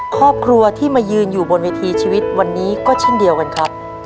ครอบครัวที่มายืนอยู่บนเวทีชีวิตวันนี้ก็เช่นเดียวกันครับ